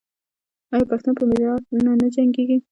آیا پښتون په میړانه نه جنګیږي؟